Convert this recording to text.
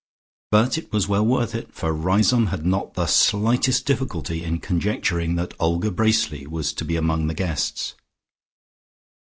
But it was well worth it, for Riseholme had not the slightest difficulty in conjecturing that Olga Bracely was to be among the guests.